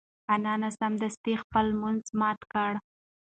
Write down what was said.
انا سمدستي خپل لمونځ مات کړ.